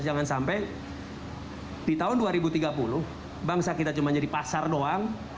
jangan sampai di tahun dua ribu tiga puluh bangsa kita cuma jadi pasar doang